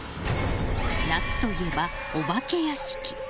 夏といえばお化け屋敷。